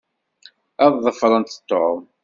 Ad ḍefrent Tom.